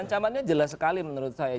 ancamannya jelas sekali menurut saya